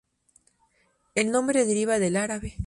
El nombre deriva del árabe bayt Zayd بيت زيد la casa de Zayd.